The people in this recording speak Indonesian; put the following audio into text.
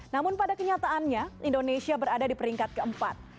namun pada kenyataannya indonesia berada di peringkat keempat